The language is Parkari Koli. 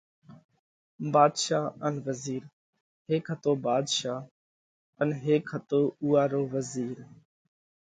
ڀاڌشا ان وزِير:هيڪ هتو ڀاڌشا ان هيڪ هتو اُوئا رو وزِير۔